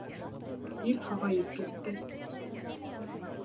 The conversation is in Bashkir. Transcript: Ир һағайып китте.